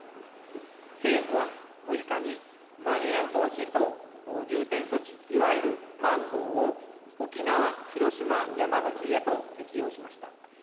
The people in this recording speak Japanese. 政府は６日に、まん延防止等重点措置、いわゆるまん防を沖縄、広島、山口へと適用しました。